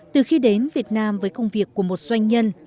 từ khi đến việt nam với công việc của một doanh nhân